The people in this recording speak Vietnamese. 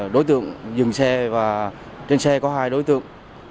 đối tượng dừng xe và trên xe có hai đối tượng